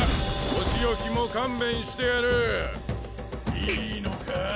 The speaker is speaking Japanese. お仕置きも勘弁してやるいいのか？